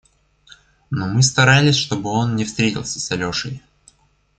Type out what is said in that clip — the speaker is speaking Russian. Но мы старались, чтоб он не встретился с Алешей.